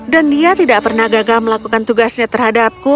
dan dia tidak pernah gagal melakukan tugasnya terhadapku